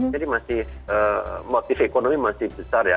jadi masih motif ekonomi masih besar ya